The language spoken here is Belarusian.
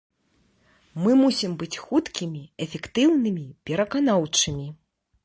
Мы мусім быць хуткімі, эфектыўнымі, пераканаўчымі.